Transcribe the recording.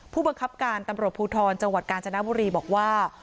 ผู้บังคับการตำรวจภูทรจังหวัดกาญจนบุรีบอกว่า